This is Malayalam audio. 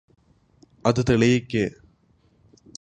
അത് തെളിയിക്ക്